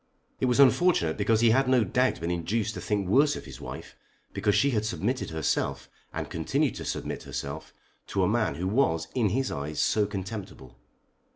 It was unfortunate because he had no doubt been induced to think worse of his wife because she had submitted herself and continued to submit herself to a man who was in his eyes so contemptible.